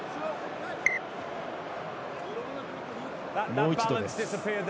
もう一度です。